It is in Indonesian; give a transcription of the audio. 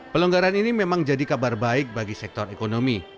pelonggaran ini memang jadi kabar baik bagi sektor ekonomi